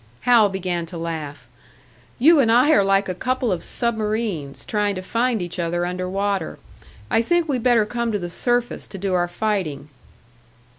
Hal began to laugh. "You and I are like a couple of submarines, trying to find each other under water. I think we'd better come to the surface to do our fighting."